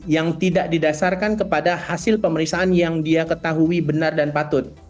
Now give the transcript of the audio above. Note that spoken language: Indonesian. yang tidak didasarkan kepada hasil pemeriksaan yang dia ketahui benar dan patut